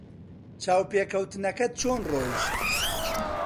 چاوپێکەوتنەکەت چۆن ڕۆیشت؟